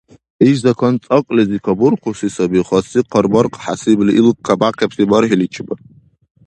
Иш Закон цӀакьлизи кабурхуси саби хасси хъарбаркь хӀясибли ил кабяхъибси бархӀиличибад.